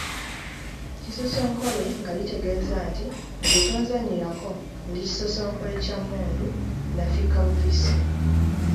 Kisosonkole nga litegeeza nti “nze tonzannyirako, ndi kisosonkole kya mmundu, nafikka bufissi.”